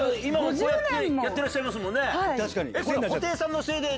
こうやってらっしゃいますもんね。